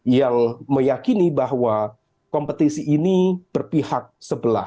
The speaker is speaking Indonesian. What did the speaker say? yang meyakini bahwa kompetisi ini berpihak seorang negara